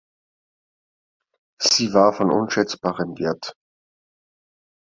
Sie war von unschätzbarem Wert.